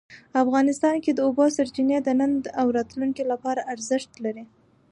افغانستان کې د اوبو سرچینې د نن او راتلونکي لپاره ارزښت لري.